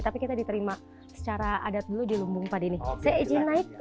tapi kita diterima secara adat dulu di lumbung padi nih